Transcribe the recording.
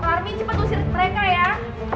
parmi cepet usirin mereka ya